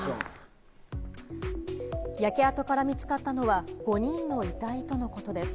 焼け跡から見つかったのは５人の遺体とのことです。